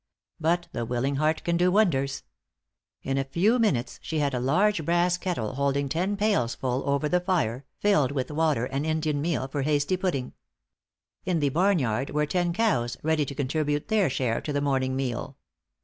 But the willing heart can do wonders. In a few minutes she had a large brass kettle holding ten pails full, over the fire, filled with water and Indian meal for hasty pudding. In the barnyard were ten cows ready to contribute their share to the morning meal.